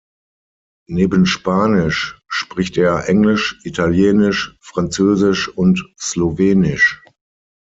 Neben Spanisch spricht er Englisch, Italienisch, Französisch und Slowenisch.